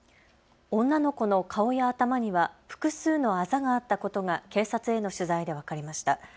女の子の顔や頭には複数のあざがあったことが警察への取材で分かりました。